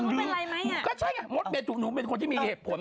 เหมือนเป็นไรไหมอ่ะก็ใช่ไหมโม๊ตเบ้ดสุดหนูเป็นคนที่มีเหตุผล